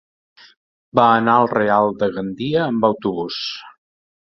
Va anar al Real de Gandia amb autobús.